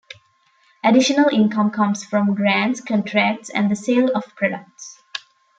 Additional income comes from grants, contracts, and the sale of products.